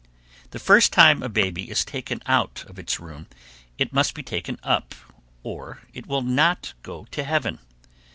The first time a baby is taken out of its room, it must be taken up, or it will not go to heaven.